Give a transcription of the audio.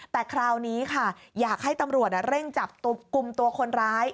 แต่คราวนี้ค่ะอยากให้ตำรวจเร่งจับกลุ่มตัวคนร้าย